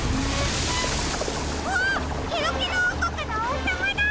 あっケロケロおうこくのおうさまだ！